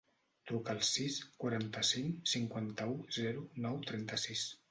Truca al sis, quaranta-cinc, cinquanta-u, zero, nou, trenta-sis.